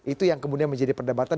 itu yang kemudian menjadi perdebatan